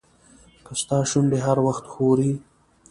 که ستا شونډې هر وخت ښوري.